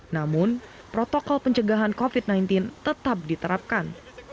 namun protokol pencegahan covid sembilan belas tetap diterapkan